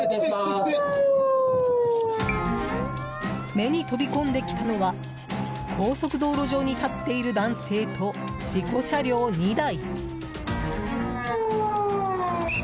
目に飛び込んできたのは高速道路上に立っている男性と事故車両２台。